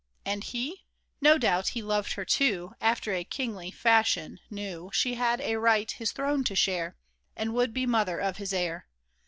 And he ? No doubt he loved her, too, After a kingly fashion — knew She had a right his throne to share, And would be mother of his heir.